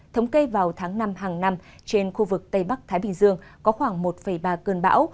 thống kê vào tháng năm hàng năm trên khu vực tây bắc thái bình dương có khoảng một ba cơn bão